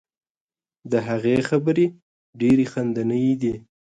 د هغې خبرې ډیرې خندنۍ دي.